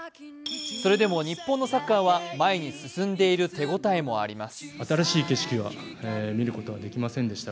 それでも日本のサッカーは前に進んでいる手応えはあります。